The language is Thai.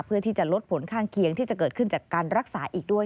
เพื่อที่จะลดผลข้างเคียงที่จะเกิดขึ้นจากการรักษาอีกด้วย